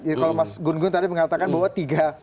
jadi kalau mas gun gun tadi mengatakan bahwa tiga